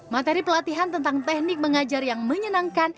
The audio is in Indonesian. materi pelatihan tentang teknik mengajar yang menyenangkan